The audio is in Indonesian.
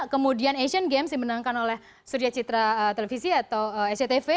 kemudian asian games dimenangkan oleh surya citra televisi atau sctv